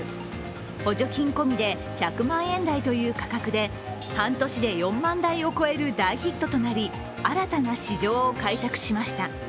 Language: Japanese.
補助金込みで１００万円台という価格で半年で４万台を超える大ヒットとなり新たな市場を開拓しました。